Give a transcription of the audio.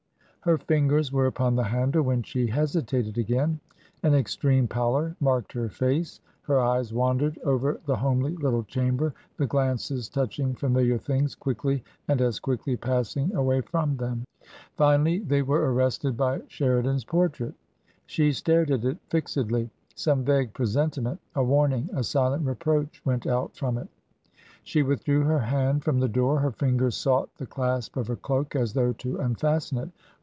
Her fingers were upon the handle, when she hesitated again. An extreme pallor marked her face; her eyes wandered over the homely little chamber, the glances touching familiar things quickly and as quickly passing away from them ; finally they were arrested by Sheridan's portrait. She stared at it fixedly ; some vague presenti ment, a warning, a silent reproach, went out from it She withdrew her hand from the door, her fingers sought the clasp of her cloak as though to unfasten it.